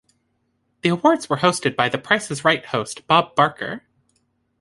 The awards were hosted by "The Price Is Right" host Bob Barker.